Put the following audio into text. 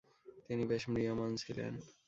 তিনি বেশ ম্রিয়মান ছিলেন।